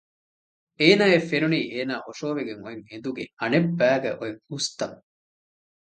އޭނާއަށް ފެނުނީ އޭނާ އޮށޯވެގެން އޮތް އެނދުގެ އަނެއްބައިގައި އޮތް ހުސްތަން